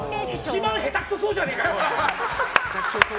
一番下手くそそうじゃねえか！